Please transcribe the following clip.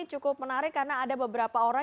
cukup menarik karena ada beberapa orang